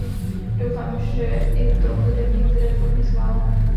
Doufám, že i to bude v některé formě schváleno.